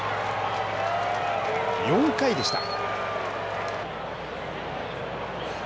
４回でした。